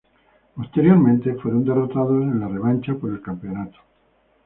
Posteriormente, fueron derrotados en la revancha por el campeonato.